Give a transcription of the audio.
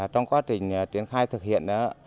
trong quá trình triển khai thực hiện